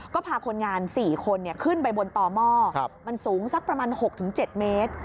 ก็พาคนงาน๔คนขึ้นไปบนต่อหม้อมันสูงสักประมาณ๖๗เมตร